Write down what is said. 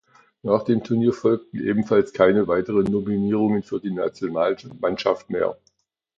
Nach dem Turnier folgten ebenfalls keine weiteren Nominierungen für die Nationalmannschaft mehr.